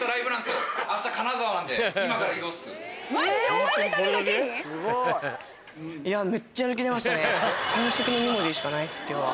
頑張れよ！の２文字しかないです今日は。